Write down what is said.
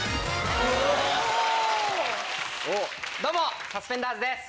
どうもサスペンダーズです。